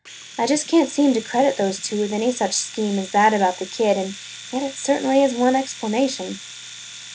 I just can't seem to credit those two with any such scheme as that about the kid and yet it certainly is one explanation!"